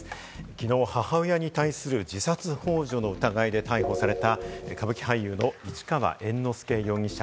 きのう母親に対する自殺ほう助の疑いで逮捕された歌舞伎俳優の市川猿之助容疑者。